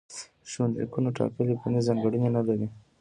ژوندلیکونه ټاکلې فني ځانګړنې نه لري.